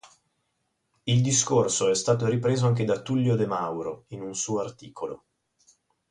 Il discorso è stato ripreso anche da Tullio De Mauro, in un suo articolo.